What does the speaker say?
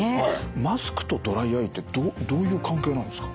マスクとドライアイってどういう関係なんですか？